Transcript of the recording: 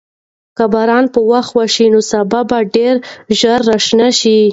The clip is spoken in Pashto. که باران په وخت وشي، نو سابه به ډېر ژر راشنه شي.